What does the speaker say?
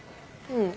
うん。